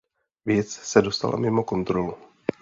Věc se dostala mimo kontrolu.